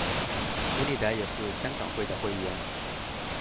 邬励德也是香港会的会员。